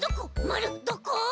まるどこ！？